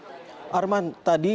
arman tadi saya sempat melihat irwan